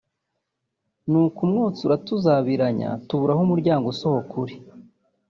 ni uko umwotsi uratuzabiranya tubura aho umuryango usohoka uri